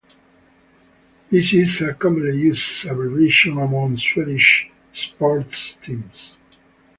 This is a commonly used abbreviation among Swedish sports teams.